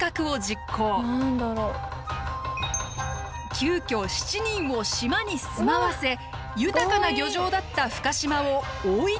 急きょ７人を島に住まわせ豊かな漁場だった深島を大分側のものにしたのです。